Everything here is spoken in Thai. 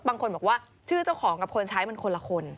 บางคนบอกว่าชื่อเจ้าของกับคนใช้มันคนละคน